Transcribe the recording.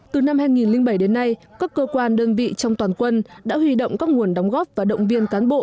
từ năm hai nghìn bảy đến nay các cơ quan đơn vị trong toàn quân đã huy động các nguồn đóng góp và động viên cán bộ